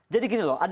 jadi gini loh